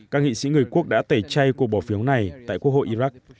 các nghị sĩ người quốc đã tẩy chay cuộc bỏ phiếu này tại quốc hội iraq